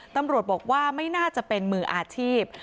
ตำรวจบอกว่าไม่น่าจะเป็นมืออาชีพ